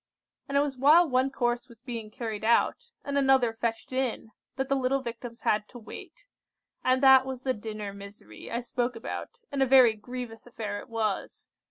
And it was while one course was being carried out, and another fetched in, that the little Victims had to wait; and that was the dinner misery I spoke about, and a very grievous affair it was.